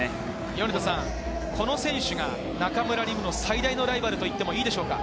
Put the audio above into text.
米田さん、この選手が中村輪夢の最大のライバルと言ってもいいでしょうか？